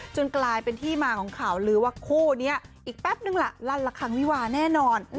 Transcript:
กลายเป็นที่มาของข่าวลือว่าคู่นี้อีกแป๊บนึงล่ะลั่นละคังวิวาแน่นอน